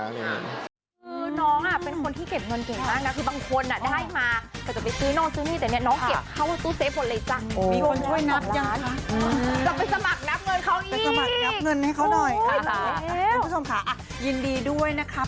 คือน้องเป็นคนที่เก็บเงินเก่งมากนะ